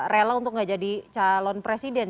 rela untuk gak jadi calon presiden